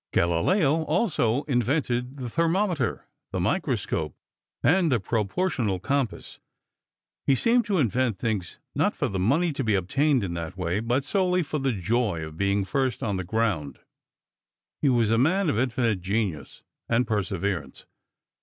Galileo also invented the thermometer, the microscope, and the proportional compass. He seemed to invent things, not for the money to be obtained in that way, but solely for the joy of being first on the ground. He was a man of infinite genius and perseverance.